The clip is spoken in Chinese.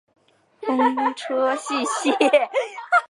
风车星系。